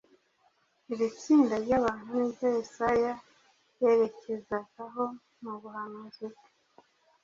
Iri tsinda ry’abantu niryo Yesaya yerekezagaho mu buhanuzi bwe